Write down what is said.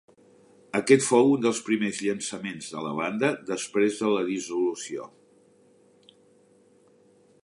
Aquest fou un dels primers llançaments de la banda després de la dissolució.